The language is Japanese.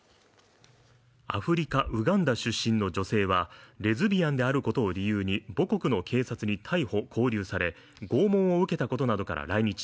アフリカウガンダ出身の女性はレズビアンであることを理由に、母国の警察に逮捕勾留され、拷問を受けたことなどから来日。